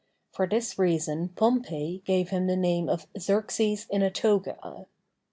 For this reason Pompey gave him the name of "Xerxes in a toga."